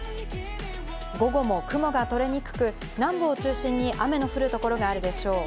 午後も雲が取れにくく、南部を中心に雨の降る所があるでしょう。